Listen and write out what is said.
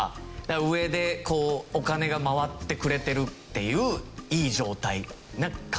上でこうお金が回ってくれてるっていういい状態な感じです。